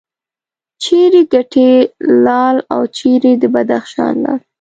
چیرې کټې لال او چیرې د بدخشان لعل.